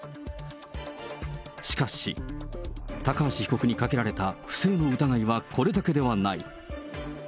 しかし、高橋被告にかけられた不正の疑いはこれだけではない。